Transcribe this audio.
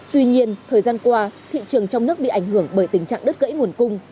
tuy nhiên thời gian qua thị trường trong nước bị ảnh hưởng bởi tình trạng đứt gãy nguồn cung